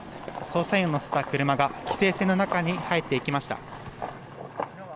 捜査員を乗せた車が規制線の中に入っていきました。